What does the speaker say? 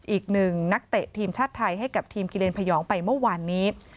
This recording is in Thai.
อีกหนึ่งนักเตะทีมชาติไทยให้กับทีมกิเลนพยองไปเมื่อวานนี้